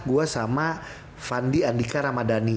gue sama fandi andika ramadhani